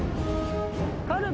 カルビ。